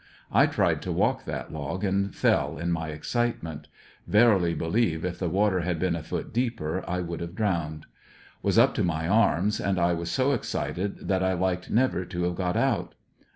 I tried to walk that log and fell in my excitement. Yerily believe if the water had been a foot deeper I would have drowned. Was up to my arms, and I was so excited that I liked never to have got out.